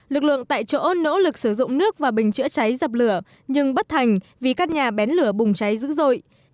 lực lượng tại chỗ nỗ lực sử dụng nước và bình chữa cháy dập lửa nhưng bất thành vì các nhà bén lửa bùng cháy dữ dội